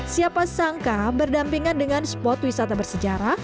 siapa sangka berdampingan dengan spot wisata bersejarah